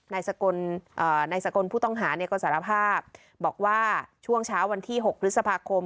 นายสากลเอ่อนายสากลผู้ต้องหาเนี่ยก็สารภาพบอกว่าช่วงเช้าวันที่หกฤษภาคม